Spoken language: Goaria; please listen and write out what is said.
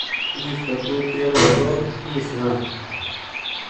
اي ڦوٽو ڪرو هيتو اي سوڻآ۔